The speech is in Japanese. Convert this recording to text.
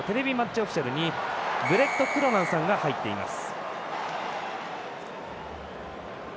オフィシャルにブレット・クロナンさんが入っています。